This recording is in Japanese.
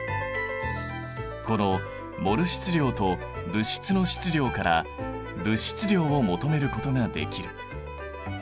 このモル質量と物質の質量から物質量を求めることができる。